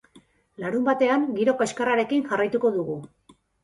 Larunbatean giro kaxkarrarekin jarraituko dugu.